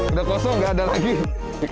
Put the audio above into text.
sudah kosong tidak ada lagi